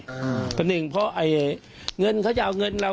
เพราะหนึ่งเพราะไอ้เงินเขาจะเอาเงินเรา